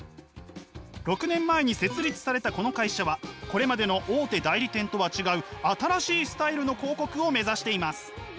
６年前に設立されたこの会社はこれまでの大手代理店とは違う新しいスタイルの広告を目指しています。